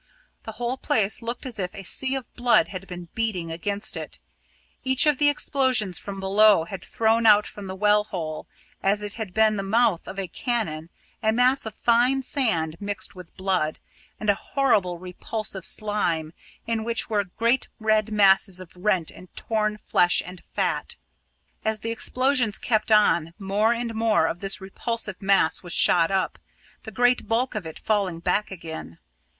The whole place looked as if a sea of blood had been beating against it. Each of the explosions from below had thrown out from the well hole, as if it had been the mouth of a cannon, a mass of fine sand mixed with blood, and a horrible repulsive slime in which were great red masses of rent and torn flesh and fat. As the explosions kept on, more and more of this repulsive mass was shot up, the great bulk of it falling back again.